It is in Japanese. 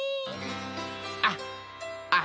あっあっ